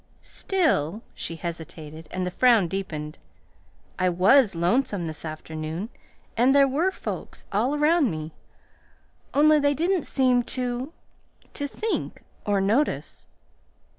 Still " she hesitated, and the frown deepened. "I WAS lonesome this afternoon, and there WERE folks all around me; only they didn't seem to to think or notice."